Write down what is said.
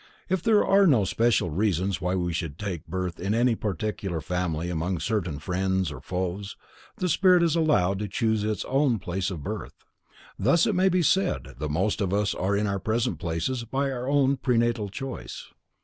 If there are no special reasons why we should take birth in any particular family among certain friends or foes, the spirit is allowed to choose its own place of birth. Thus it may be said that most of us are in our present places by our own prenatal choice.